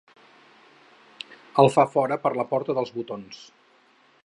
El fa fora per la porta dels botons.